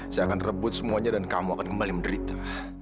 saya akan rebut semuanya dan kamu akan kembali menderita